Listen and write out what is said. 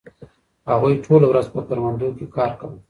هغوی ټوله ورځ په کروندو کې کار کاوه.